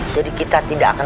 jadi kita tidak akan